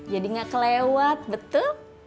jadi gak kelewat betul